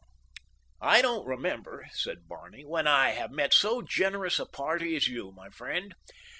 "I don't remember," said Barney, "when I have met so generous a party as you, my friend.